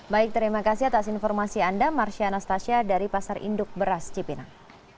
baik terima kasih atas informasi anda marsya anastasia dari pasar induk beras cipinang